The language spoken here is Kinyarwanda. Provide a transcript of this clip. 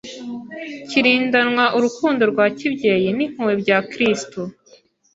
kirindanwa urukundo rwa kibyeyi n'impuhwe bya Kristo.